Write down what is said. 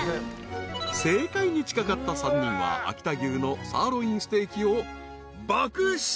［正解に近かった３人は秋田牛のサーロインステーキを爆試食］